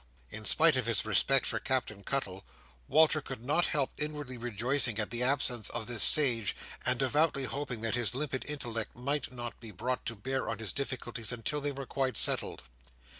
In spite of his respect for Captain Cuttle, Walter could not help inwardly rejoicing at the absence of this sage, and devoutly hoping that his limpid intellect might not be brought to bear on his difficulties until they were quite settled.